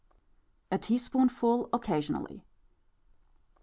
A teaspoonful occasionally.